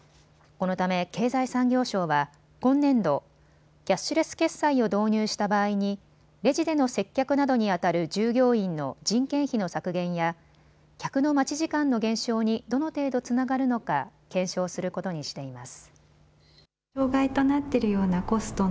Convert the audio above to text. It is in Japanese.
このため経済産業省は今年度、キャッシュレス決済を導入した場合にレジでの接客などに当たる従業員の人件費の削減や客の待ち時間の減少にどの程度つながるのか検証することにしています。